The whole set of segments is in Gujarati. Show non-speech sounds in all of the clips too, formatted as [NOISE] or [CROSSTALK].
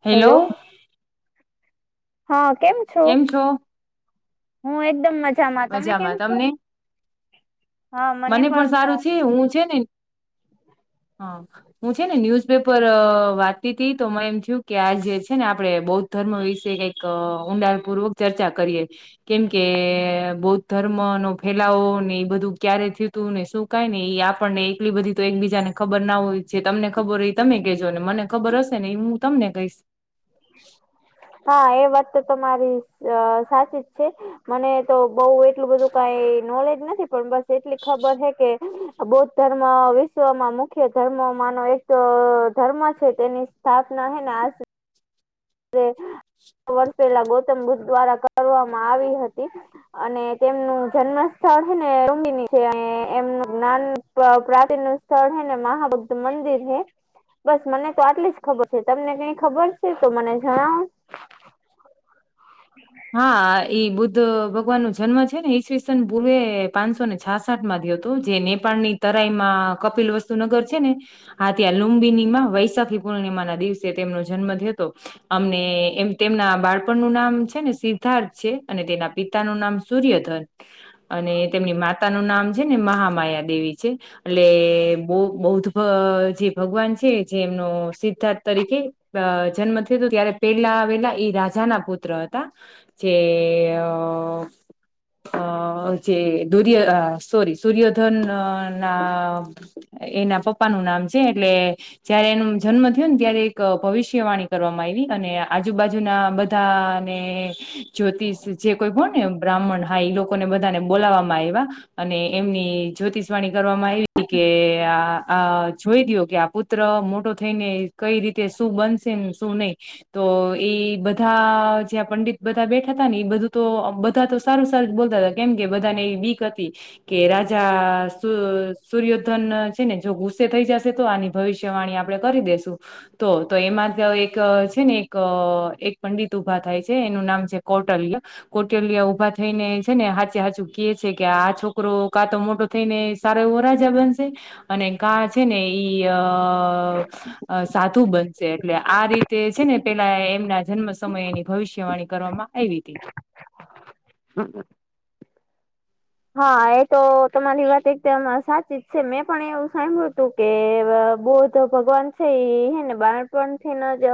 હેલો હા, કેમ છો? હું એકદમ મજામાં, તમે કેમ છો? મને પણ સારું છે, હું છે ને હ હું છે ને ન્યૂઝ પેપર વાતતી હતી તો એમ થયું કે આ જે છે ને આપણે બૌદ્ધ ધર્મ વિશે કઈક એક ઊંડાણ પૂર્વક ચર્ચા કરીએ, કેમ કે બૌદ્ધ ધર્મ નો ફેલાવો ને એ બધું ક્યારે થય તું ને શું કાય ને એઈ આપણને એકલી બધી તો એકબીજાને ખબર ના હોય છે, તમને ખબર હોય તમે કહેજો ને મને ખબર હશે ને એ હું તમને કહીશ, હા, એ વાત તો તમારી સાચી જ છે, મને તો બઉ એટલું બધું કઈ નોલેજ નથી પણ બસ એટલી ખબર છે, કે બૌદ્ધ ધર્મ વિશ્વમાં મુખ્ય ધર્મ માનો એક ધર્મ છે, તેની સ્થાપના હને વર્ષ પહેલા ગૌતમ બુદ્ધ દ્વારા કરવામાં આવી હતી. અને તેમનું જન્મ સ્થળ છેને ઉુંબીની છે, એમનું [INAUDIBLE] પ્રાચીન સ્થળ હૈ ને મહાભક્ત મંદિર હૈ, બસ મને તો આટલી જ ખબર છે, તમને કઈ ખબર છે તો મને જણાવો. હા, ઈ બુદ્ધ ભગવાન નું જન્મ છે ને ઈસવીસન પૂર્વે પાંચસો ને છ સાઠ માંથી હતું જે નેપાળ ની તરાઈમાં કપિલ વસ્તુ નગર છે, ને હા, ત્યાં લુંબિનીમાં વૈશાખી પૂર્ણિમા ના દિવસે તેમનો જન્મ થયો હતો. અમને એમ તેમના બાળપણ નું નામ છે, ને સિદ્ધાર્થ છે અને તેના પિતા નું નામ સૂર્યધન. અને તેમની માતા નું નામ છે ને મહામાયા દેવી છે, એટલે બૌ બૌદ્ધ જે ભગવાન છે, જે એમનો સિદ્ધાર્થ તરીકે અ જન્મ થું ત્યારે પેલા આવેલા એ રાજા ના પુત્ર હતા, જે અ જે [INAUDIBLE] સ્ય સોરી સૂર્યધન ના એના પપ્પાનુંું નામ છે, એટલે જયારે એનો જન્મ થયો ને ત્યારે એક ભવિષ્યવાણી કરવામાં આવી, અને આજુબાજુના બધા જ્યોતિષ જે કોઈ ભ ને બ્રાહ્મણ હા ઈ લોકોને બધાને બોલાવવામાં આવ્યા, અને એમની જ્યોતિષવાણી કરવામાં આવી, કે આ જોઈ દયો કે આ પ ત્ર મોટો થઈને, કઈ રીતે શું બનશે ને શું નહી તો એ બધા જ્યાં પંડિત બધા બેઠા હતા ને એ બધું તો બધા તો સારું સારું બોલતા હતા કેમ કે બધા ને એ બીક હતી. કે રાજા સૂર્યોધન છે ને જો ગુસ્સે થઈ જશે તો આની ભવિષ્યવાણી આપણે કરી દેસું તો તો એમાં એક છે ને એક એક પંડિત ઊભા થાય છે. એનું નામ છે કૌટલ્ય કોટલિયા ઉભા થઈને છે ને હાચે હાંચું કયે છે કે આ છોકરો કાં તો મોટો થઈ ને સારા એવો રાજા બનશે અને કા છે ને ઈ અ અ સાધુ બનશે એટલે આ રીતે છે ને પેલા એમના જન્મ સમયની ભવિષ્ય વાણી કરવામાં આવી હતી. હા એ તો તમારી વાત એકદમ સાચી છે, મેં પણ એવું સાંભ્યું હતું કે બૌદ્ધ ભગવાન છે હેને બાળપણથીને જ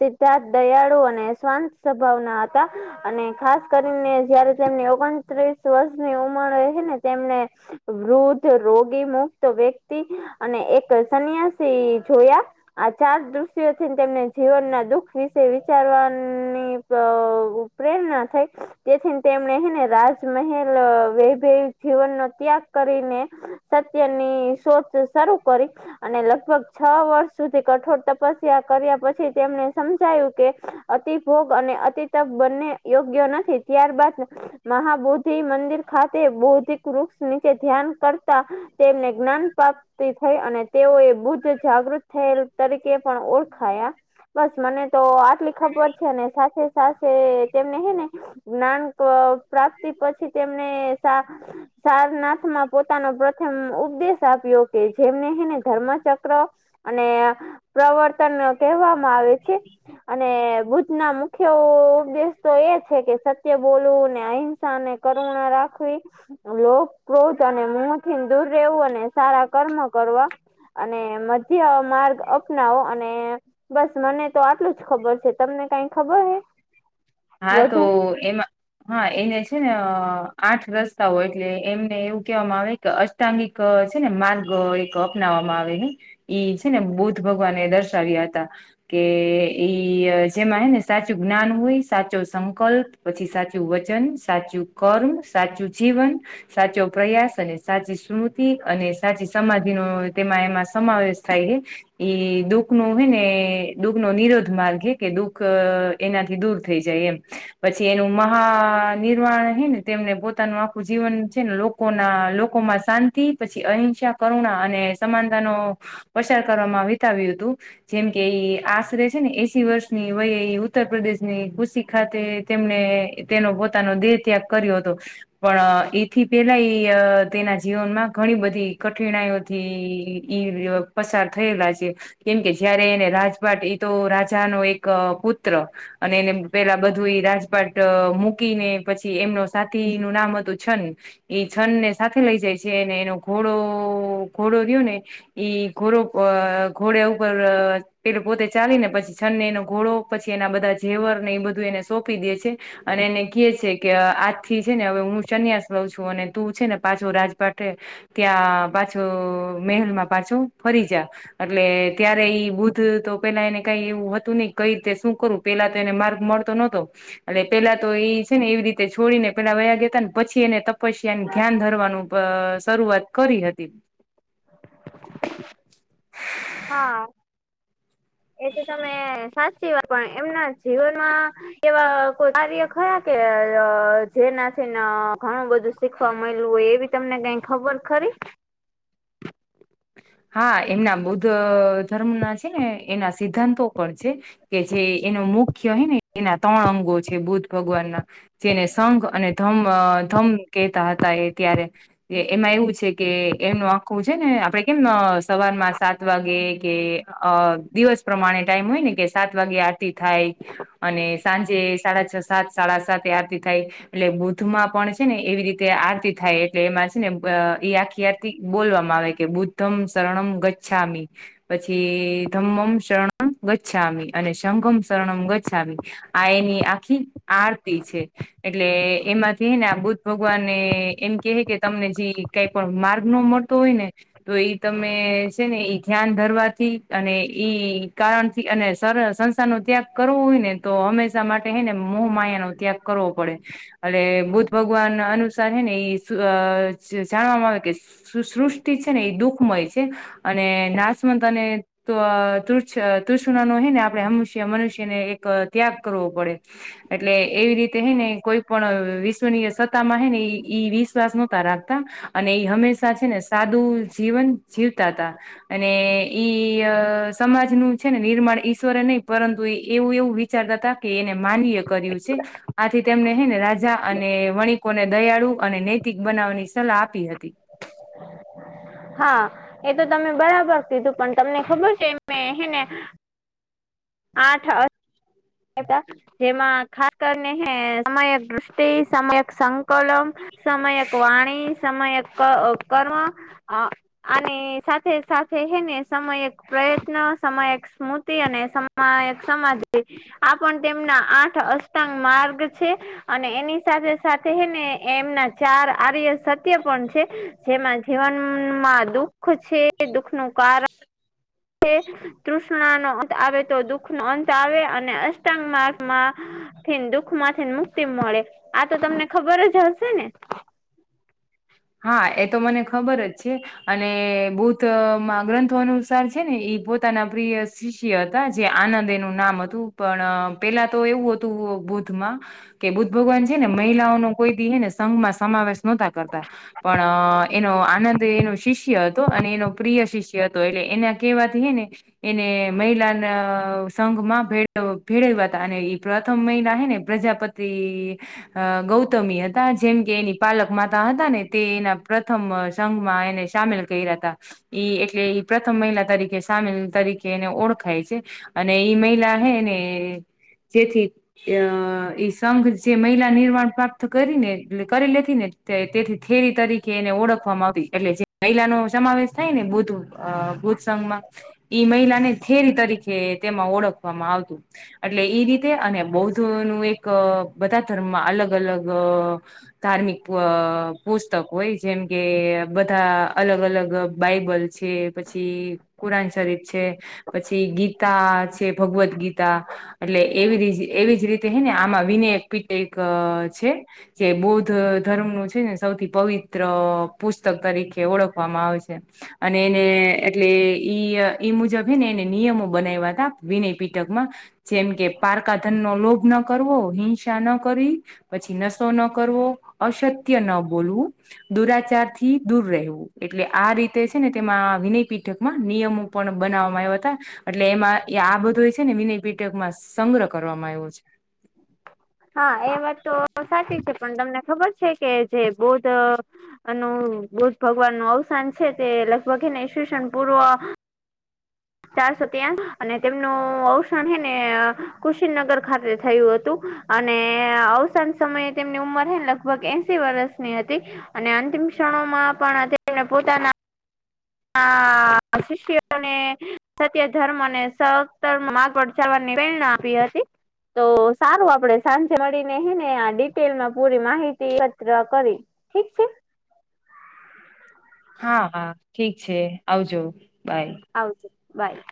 સિદ્ધાર્થ દયાળુ અને શવાંત સ્વભાવના હતા અને ખાસ કરીને જયારે તેમની ઓગણત્રીસ વર્ષની ઉંમરે હેને તેમને વૃદ્ધ રોગી મુક્ત વ્યક્તિ અને એક સન્યાસી જોયા આ ચાર દ્રશ્યો થી તેમને જીવનના દુઃખ વિશે વિચારવાની અ પ્રેરણા થાય તેથીને તેમણે હેને રાજમહેલ વૈભવ જીવનનો ત્યાગ કરીને સત્યની શોધ શરૂ કરી અને લગભગ છ વર્ષ સુધી કઠોર તપસ્યા કર્યા પછી તેમને સમજાયું કે અતિભોગ અને અતિતપ બંને યોગ્ય નથી ત્યારબાદ મહાબોદધિ મંદિર ખાતે બૌદ્ધિક વૃક્ષ નીચે ધ્યાન કરતા તેમને જ્ઞાન પ્રાપ્ત થઈ અને તેઓ એ બુદ્ધ જાગૃત થયેલ તરીકે પણ ઓળખાયા બસ મને તો આટલી ખબર છે સાથે સાથે તેમને હેને આમ તો પ્રાપ્તિ પછી તેમને સા સારનાથમાં પોતાનો પ્રથમ ઉપદેશ આપ્યો કે જેમને હેને ધર્મચક્ર અને પ્રવર્તન કેવામાં આવે છે. અને બુદ્ધ નો મુખ્ય ઉપદેશ તો એ છે કે સ કે બોલવું ને અહિંસાને કરુણા રાખવી લોક ક્રોધ અને મોહથીને દૂર રહેવું અને સારા કર્મ કરવા અને મધ્ય માર્ગ અપનાવો અને બસ મને તો આટલું જ ખબર છે. તમને કાઈ ખબર હે હા તો વધુ એમાં હા એને છે ને આઠ રસ્તાઓ એટલે એમને એવું કેહેવામાં આવે અષ્ટાંગિક છે ને માર્ગ એક અપનાવવામાં આવે ને ઈ છે ને બૌદ્ધ ભગવાને એ દર્શાવ્યા હતા કે ઈ જેમાં હેને સાચું જ્ઞાન હોય સાચું જો સંકલ્પ પછી સાચું વચન સાચું કર્મ સાચું જીવન સાચો પ્રયાસ અને સાચી સ્મૃતિ અને સાચી સમાધિનો તેમાં એમાં સમાવેશ થાય હે ઈ દુઃખ નો હે ને દુઃખ નો નિરોધ માર્ગ હે કે દુઃખ એનાથી દૂર થઈ જાય એમ પછી એનું મહાનિમાણ હે ને તેમને પોતાનું આખું જીવન છે ને લોક લોકો ના લોકોમાં શાંતિ પછી અહિંસા કરુણા અને સમાનતાનો પસાર કરવામાં વીતા વ્યુ હતું જેમ કે એઈ આશરે છે ને એસી વર્ષની વય એ ઉત્તર પ્રદેશ ની ગુસી ખાતે તેમને તેનો પોતાનો દેહ ત્યાગ કર્યો હતો. પણ એથી પેલા તેના જીવનમાં ઘણી બધી કઠિનાઓ થી ઈ પસાર થયેલા છે. કેમકે જયારે એને રાજભાટ ઈતો રાજાનો એક પુત્ર અને એને પેલા બધું એ રાજપાટ મૂકી ને પછી એમનું સાથી નું નામ હતું છન એ છનં ને સાથે લઈ જાય છે અને એનો ઘોડો ઘોડો રીયો ને ઈ ઘોડો અ ઘોડે ઉપર અ પેલો પોતે ચાલીને પછી છન્ને એનો ઘોડો પછી એના બધા ઝેવર ને એ બધું એને સોંપી દે છે. અને એને કેય છે કે આજ થી છે ને હું સંન્યાસ લવ છું અને તું છે ને પાછો રાજપાઠ એ ત્યાં પાછું મહેલ માં પાછું ફરીજા. એટલે ત્યારે ઈ બુદ્ધ તો પેલા એને કઈ એવું હતું નઈ કઈ રીતે શું કરું પેલા તો એને માર્ગ મળતો નતો એટલે પેલા તો ઈ છે ને એવી રીતે છોડી ને પેલા વયા ગયાતા ને પછી એને તપસ્યાને ધ્યાન ધરવાનું અ શરૂઆત કરી હતી. [INAUDIBLE] હા. એ તો તમે સાચી વાત પણ એમના જીવનમાં એવા કોઈ કાર્ય ખરા કે જેનાથી ને ઘણું બધું શીખવા મયલું હોય એવી તમને કઈ ખબર ખરી. હા એમના બૌદ્ધ ધર્મ ના છે ને એના સિદ્ધાંતો પણ છે. કે જે એનો મુખ્ય હેને એના ત્રણ અંગો છે બુદ્ધ ભગવાનના. જેને સંઘ અને ધમ ધમ કેતા હતા એ ત્યારે. એ એમાં એવું છે કે એમનું આખું છે ને આપડે કેમ સવારમાં સાત વાગે કે અ દિવસ પ્રમાણે ટાઈમ હોય ને કે સાત વાગે આ આતી થાય અને સાંજે સાડા છ સાત સાડા સાતે આરતી થાય એ એટલે બુદ્ધમાં પણ છે ને એવી રીતે આરતી થાય એટલે એમાં છે ને એ આખી આર તી બોલવામાં આવેકે, બુદ્ધમ, શરણમ, ગછામી. પછી ધમ્મમ શરણમ ગછામી અને શંઘમ શરણમ ગછામી. આ યેની આખી આરતી છે. એટલે એમાંથી હેને આ બુદ્ધ ભગવાનને એમ કે કેહે તમને જી કંઈપણ માર્ગનો મળતો હોયને તો ઈ તમે છે ને ઈ ધ્યાન ધરવાથી અને ઈ કારણ તી અને સર સંસ્થાનો ત્યાગ કરવો હોય, નેતો હંમેશા માટે હેને મોહમાયા નો ત્યાગ કરવો પડે. અને બુદ્ધ ભગવાન અનુસાર હે ને એ જાણવામાં આવે કે શું સૃષ્ટિ છે નેએ દુઃખમય છે અને નાસમંત અને તોત તૃષ્ણાનો હવે આપણે મનુષ્યને એક ત્યાગ કરવો પડે. એટલે એવી રીતે હેને કોઈપણ વિશ્વનીય સત્તામાં હેને ઈ વિશ્વાસ નહોતા રાખતા. અને એ હંમેશા છે ને સાદું જીવન જીવતા તા. અને ઈ સમાજનું છે ને નિર્માણ ઈશ્વરે નહીં પરંતુ એવું એવું વિચારતા હતા કે એને માનીએ કર્યું છે. આથી તેમને હેને રાજા અને વણિકોને દયાળુ અને નૈતિક બનાવવાની સલાહ આપી હતી. હા એતો તમે બરાબર કીધું પણ તમને ખબર છે ને મે હે ના આઠ આ એ હતા જેમાં ખાસ કરીને હે સમયક દષ્ટિ સમયક સંકલો સમયક વાણી સમયક ક કર્મ આ અને સાથે સાથે હેને સમય એક પ્રયત્ન સમય એક સ્મૃતિ અને સમ [UNINTELLIGIBLE] સમાધિ આ પણ તેમના આઠ અષ્ટાંગ માર્ગ છે. અને એની સાથે સાથે હે ને એમના ચાર આર્ય સત્ય પણ છે. જેમાં જીવનમાં દુખ છે દુઃખનું કારણ [UNINTELLIGIBLE] જે તૃષ્ણાનો અંત આવે તો દુઃખનો અંત આવે અને અષ્ટાંગ માર્ગમાં થીને દુઃખમાંથીને મુક્તિ મળે આતો તમને ખબર જ હશે ને. હા એતો મને ખબર જ છે. અને બૌદ્ધ મા ગ્રંથો અનુસાર છે ઈ પોતાના પ્રિય શિષ્ય ઈ હતા જે આનંદ એનું નામ હતું પણ પેલા તો એવું હતું બુધમાં કે બુદ્ધ ભગવાન છે ને મહિલાઓ ન કોઈ દીને સંઘમાં સમાવેશ નો તા કરતા. પણ એનો આનંદ એનો શિષ્ય હતો અને એનો પ્રિય શિષ્ય તો એટલે એના કેવા હેને એને મહિલાના સંઘમાં ભેળ્યા હતા અને એ પ્રથમ મહિલા હે ને પ્રજાપતિ તે આ ગૌતમી હતા જેમ કે એની પાલક માતા હતા ને તે એના પ્રથમ સંઘમાં એને સામેલ કર્યા હતા. ઈ એટલે ઈ પ્રથમ મહિલા તરીકે સામેલ તરીકે એને ઓળખાય છે. અને ઈ મહિલા હૈં ને જેથી આ ઈ સંઘ જે મહિલા નિર્માણ પ્રાપ્ત કરીને કરી લેતી ને તેથી થેરી તરીકે એને ઓળખવામાં આવી એટલેજે મહિલા નો સમાવેશ થાય ને બુધ બુધ સંઘમાં. ઈ મહિલાને થેરી તરીકે તેમાં ઓળખવામાં આવતું. અટલે એઈ રીતે અને બૌદ્ધનું એક બધા ધર્મમાં અલગ અલગ આ ધાર્મિક આ પુસ્તક હોય જેમ કે બધા અલગ અલગ અ બાઈબલ છે, પછી કુરાન શરીફ છે. પછી ગીતા છે, ભગવદગીતા. એટલે એવી રી એવી જ રીતે હેને આમાં વિનયકપીટક અ છે. જે બૌદ્ધધર્મનું છે, ને. સૌથી પવિત્ર પુસ્તક તરીકે ઓળખવામાં આવે છે. અને એને એટલે ઈ મુજબ હેને એને નિયમો બનાયવતા. વિનયપીટકમાં જેમ કે પારકાધનનો લોભ ના. કરવો હિંસા ન કરવી પછી નશો ન કરવો અસત્ય ન બોલવું. દુરાચાર થી દૂર રહેવું એટલે આ રીતે છે ને તેમાં વિનય પીઠકમાં નિયમો પણ બનાવવામાં આવ્યા તા. એટલે એમાં આ બધો એ છે ને વિનય પીટકમાં સંગ્રહ કરવામાં આવ્યો છે. હા એ વાત તો સાચી છે પણ તમને ખબર છે કે જે બૌદ્ધ અને બુદ્ધ ભગવાન નું અવસાન છે તે લગભગ એને શષણ પૂર્વ ચારસો ત્યાંસ અને તેમનું અવસાન હે ને કુશીનનગર ખાતે થયું હતું. અને અવસાન સમયે તેમની ઉંમર હે લગભગ એશ વર્ષની હતી અને અંતિમ ક્ષણોમાં પણ તે પોતાના આ શિષ્યઓને સત્ય ધર્મને સહર્મ આગળ જવાની પ્રેરણા આપી હતી. તો સારું આપડે સાંજે મળીને હેને આ ડિટેલમાં પૂરી માહિતી એકત્ર કરી ઠીક છે. હા હા ઠીક છે આવજો બાય. આવજો બાય.